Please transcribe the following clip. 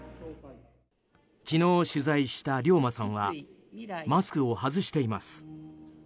昨日、取材した良磨さんはマスクを外しています。